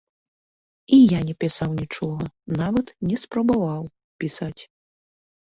І я не пісаў нічога, нават не спрабаваў пісаць.